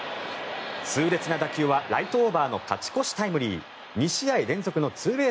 痛烈な打球はライトオーバーの勝ち越しタイムリー。